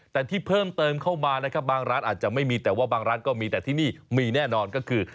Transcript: แต่ที่เพิ่มเติมเข้ามานะครับบางร้านอาจจะไม่มีแต่ว่าบางร้านก็มีแต่ที่นี่มีแน่นอนก็คือ